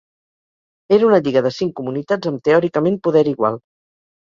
Era una lliga de cinc comunitats amb teòricament poder igual.